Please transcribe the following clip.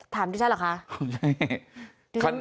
ถามที่ใช่หรอคะ